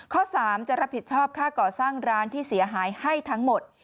ข้อ๓จะรับผิดชอบค่าก่อสร้างร้านที่เสียหายให้ทั้งหมด